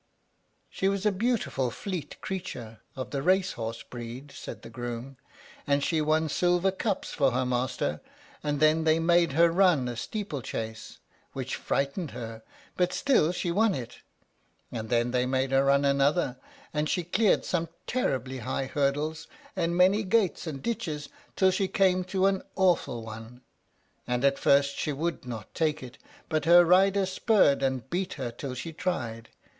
"She was a beautiful fleet creature, of the racehorse breed," said the groom; "and she won silver cups for her master, and then they made her run a steeple chase, which frightened her, but still she won it; and then they made her run another, and she cleared some terribly high hurdles, and many gates and ditches, till she came to an awful one, and at first she would not take it, but her rider spurred and beat her till she tried.